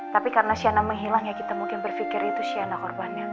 tapi karena siana menghilang ya kita mungkin berpikir itu siana korbannya